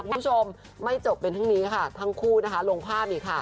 คุณผู้ชมไม่จบเป็นทั้งนี้ค่ะทั้งคู่ลงภาพนี้